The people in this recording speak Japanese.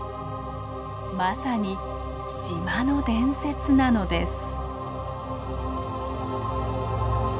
まさに「島の伝説」なのです。